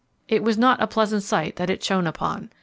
It was not a pleasant sight that it shone upon.